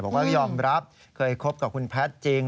บอกว่ายอมรับเคยคบกับคุณแพทย์จริง